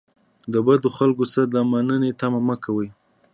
د بدو خلکو څخه د مننې تمه مه کوئ.